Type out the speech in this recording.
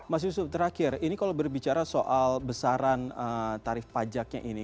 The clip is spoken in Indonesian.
mas yusuf terakhir ini kalau berbicara soal besaran tarif pajaknya ini